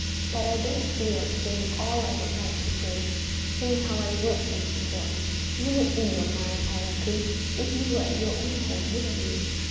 But I don't feel like saying all I would like to say, seeing how I work for Mrs. Horton." "You would free your mind, I reckon, if you were at your own home, wouldn't you?"